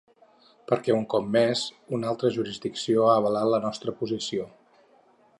Perquè un cop més una altra jurisdicció ha avalat la nostra posició.